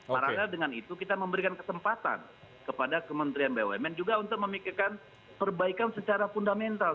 karena dengan itu kita memberikan kesempatan kepada kementerian bumn juga untuk memikirkan perbaikan secara fundamental